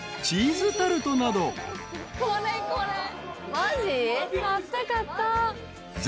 マジ？